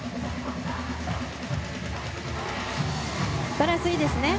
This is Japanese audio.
バランスいいですね。